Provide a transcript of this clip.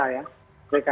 rekayasa untuk pemerintahan